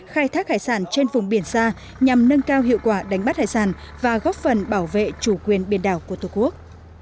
khai thác hải sản trên vùng biển xa nhằm nâng cao hiệu quả đánh bắt hải sản và góp phần bảo vệ chủ quyền biển đảo của tổ quốc